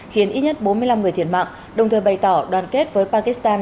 khiến ít nhất bốn mươi năm người thiệt mạng đồng thời bày tỏ đoàn kết với pakistan